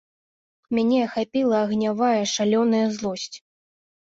Мяне ахапіла агнявая шалёная злосць.